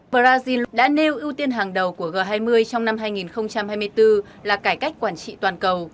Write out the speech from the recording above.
brazil đã nêu ưu tiên hàng đầu của g hai mươi trong năm hai nghìn hai mươi bốn là cải cách quản trị toàn cầu